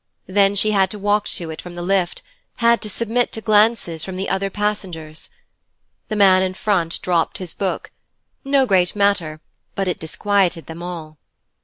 Then she had to walk to it from the lift, had to submit to glances from the other passengers. The man in front dropped his Book no great matter, but it disquieted them all.